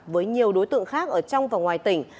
với nhiều đối tượng khác ở trong và ngoài tỉnh